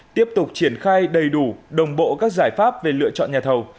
tiếp tục triển khai đầy đủ đồng bộ các giải pháp về lựa chọn nhà thầu